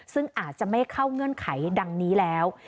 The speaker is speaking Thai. ซึ่งอาจจะไม่เข้าเงื่อนไขดังนี้แล้ว